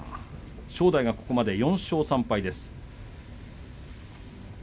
正代はここまで４勝３敗です。